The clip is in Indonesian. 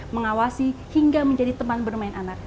mengawasi hingga menjadi teman bermain anak